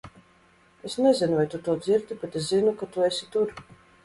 Es nezinu vai tu to dzirdi, bet es zinu, ka tu esi tur!